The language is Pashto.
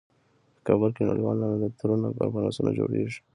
په کابل کې نړیوال نندارتونونه او کنفرانسونه جوړیږي